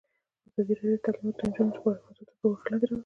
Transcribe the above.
ازادي راډیو د تعلیمات د نجونو لپاره موضوع تر پوښښ لاندې راوستې.